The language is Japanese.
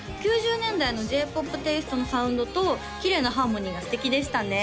９０年代のＪ−ＰＯＰテイストのサウンドときれいなハーモニーが素敵でしたね